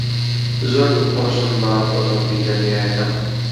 زۆر دڵخۆشم بە ئۆتۆمۆبیلە نوێیەکەم.